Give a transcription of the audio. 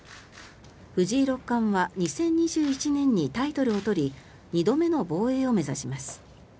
藤井六冠は２０２１年にタイトルを取り２度目の防衛を目指します。